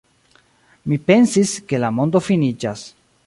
Mi pensis, ke la mondo finiĝas.